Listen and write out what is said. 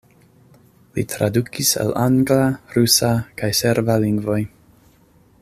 Li tradukis el angla, rusa kaj serba lingvoj.